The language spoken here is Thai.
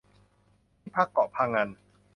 ที่พักเกาะพะงัน